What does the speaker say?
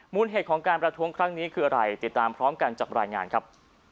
เหตุของการประท้วงครั้งนี้คืออะไรติดตามพร้อมกันจากรายงานครับ